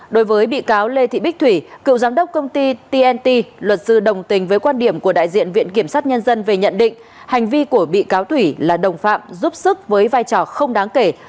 đối với bị cáo lê thị bích thủy cựu giám đốc công ty tnt luật sư đồng tình với quan điểm của đại diện viện kiểm sát nhân dân về nhận định hành vi của bị cáo thủy là đồng phạm giúp sức với vai trò không đáng kể